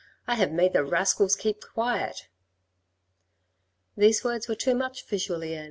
" I have made the rascals keep quiet." These words were too much for Julien.